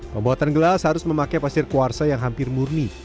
pembuatan gelas harus memakai pasir kuarsa yang hampir murni